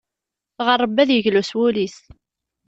Ɣer Ṛebbi ad yeglu s wul-is.